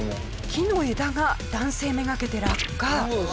木の枝が男性目がけて落下。